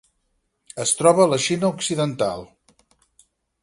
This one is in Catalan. Es troba a la Xina occidental.